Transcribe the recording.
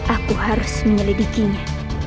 aku harus menyelidikinya